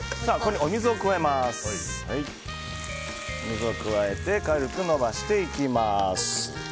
お水を加えて軽く伸ばしていきます。